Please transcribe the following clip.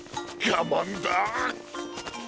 がまんだ。